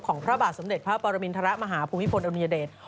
พระบาทสมเด็จพระปรมินทรมาฮภูมิพลอดุญเดช